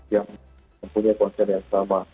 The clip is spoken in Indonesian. yang mempunyai konsen yang sama